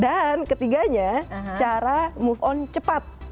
dan ketiganya cara move on cepat